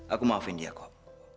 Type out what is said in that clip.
aku maafin dia kok